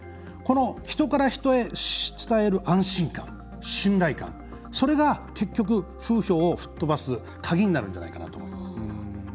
人から人へ伝える安心感信頼感、それが結局風評を吹っ飛ばす鍵になるんじゃないかと思います。